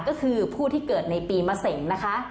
ก็คือผู้ที่เกิดในปีมะเสงนะคะ